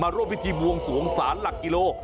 ร่วมพิธีบวงสวงศาลหลักกิโล